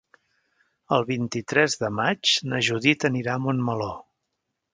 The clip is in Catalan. El vint-i-tres de maig na Judit anirà a Montmeló.